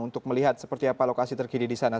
untuk melihat seperti apa lokasi terkini di sana